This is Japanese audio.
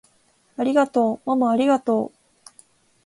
ありがとうままありがとう！